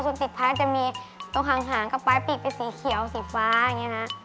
ส่วนติดพายจะมีตรงหางกลับไปปีกไปสีเขียวสีฟ้าอย่างนี้ครับ